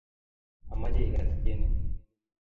amache ikas tieni.